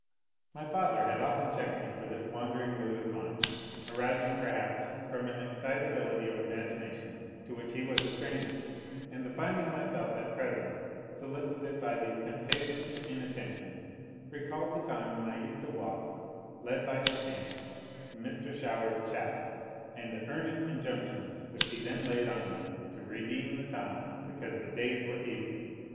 My father had often checked me for this wandering mood of mind, arising perhaps from an excitability of imagination to which he was a stranger; and the finding myself at present solicited by these temptations to inattention, recalled the time when I used to walk, led by his hand, to Mr. Shower's chapel, and the earnest injunctions which he then laid on me to redeem the time, because the days were evil.